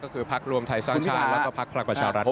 ก็คือพักร่วมไทยสร้างชาญและก็พักร่วมพลักษณ์ประชารรัฐครับ